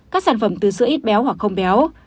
các sản phẩm từ sữa ít béo hoặc không béo